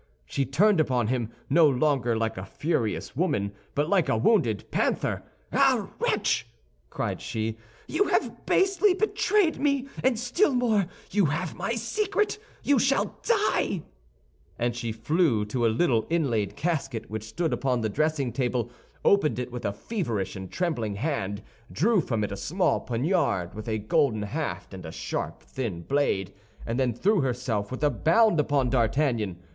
She turned upon him, no longer like a furious woman, but like a wounded panther. "Ah, wretch!" cried she, "you have basely betrayed me, and still more, you have my secret! You shall die." And she flew to a little inlaid casket which stood upon the dressing table, opened it with a feverish and trembling hand, drew from it a small poniard, with a golden haft and a sharp thin blade, and then threw herself with a bound upon D'Artagnan.